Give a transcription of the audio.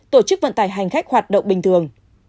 tổ chức vận tải hành khách hoạt động bình thường